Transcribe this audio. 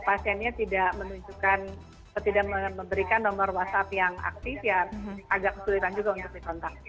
pasiennya tidak menunjukkan atau tidak memberikan nomor whatsapp yang aktif ya agak kesulitan juga untuk dikontak